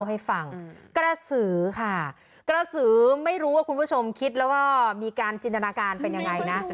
ให้ฟังกระสือค่ะกระสือไม่รู้ว่าคุณผู้ชมคิดแล้วก็มีการจินตนาการเป็นยังไงนะ